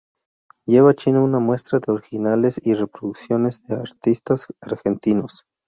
Lleva a China una muestra de originales y reproducciones de artistas argentinos.